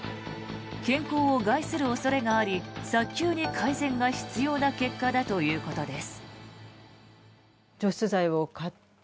健康を害する恐れがあり早急に改善が必要な結果だということです。